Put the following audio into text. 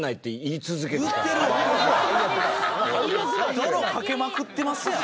泥かけまくってますやん。